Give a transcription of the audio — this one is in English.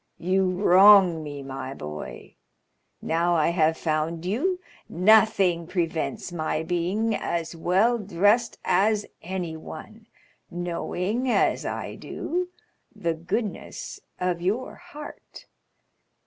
"You wrong me, my boy; now I have found you, nothing prevents my being as well dressed as anyone, knowing, as I do, the goodness of your heart.